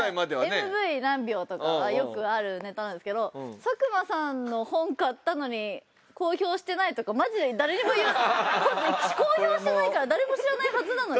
「ＭＶ何秒」とかはよくあるネタなんですけど「佐久間さんの本買ったのに公表してない」とかマジで誰にも公表してないから誰も知らないはずなのに。